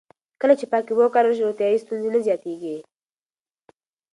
کله چې پاکې اوبه وکارول شي، روغتیایي ستونزې نه زیاتېږي.